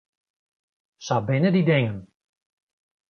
Sa binne dy dingen.